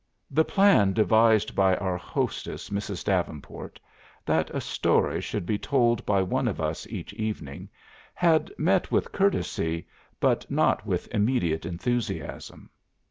The plan devised by our hostess, Mrs. Davenport, that a story should be told by one of us each evening, had met with courtesy, but not I with immediate enthusiasm.